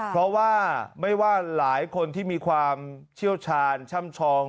เพราะว่าไม่ว่าหลายคนที่มีความเชี่ยวชาญช่ำชอง